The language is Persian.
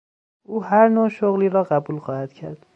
او هر نوع شغلی را قبول خواهد کرد.